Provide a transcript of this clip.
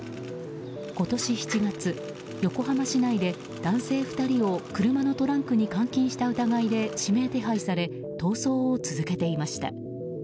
今年７月、横浜市内で男性２人を車のトランクに監禁した疑いで指名手配され逃走を続けていました。